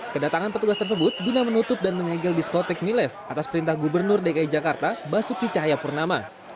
kedatangan petugas tersebut guna menutup dan menyegel diskotik miles atas perintah gubernur dki jakarta basuki cahayapurnama